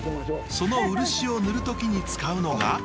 その漆を塗る時に使うのが。